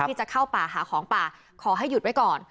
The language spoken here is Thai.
ที่จะเข้าป่าหาของป่าขอให้หยุดไว้ก่อน